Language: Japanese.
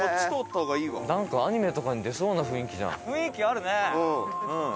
玉森：なんか、アニメとかに出そうな雰囲気じゃん。